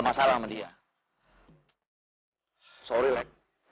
bacchus terdiri dari